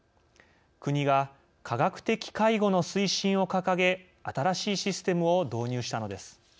国が科学的介護の推進を掲げ新しいシステムを導入したのです。